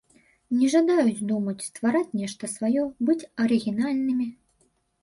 Не жадаюць думаць, ствараць нешта сваё, быць арыгінальнымі.